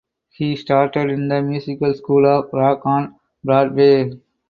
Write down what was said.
He starred in the musical School of Rock on Broadway.